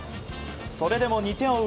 それでも２点を追う